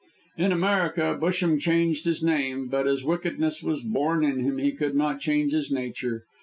In America, Busham changed his name, but as wickedness was born in him he could not change his nature.